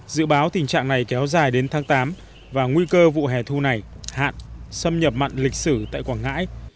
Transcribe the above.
dự báo tình trạng này kéo dài đến tháng tám và nguy cơ vụ hẻ thu này hạn xâm nhập mặn lịch sử tại quảng ngãi